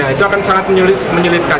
itu akan sangat menyulitkan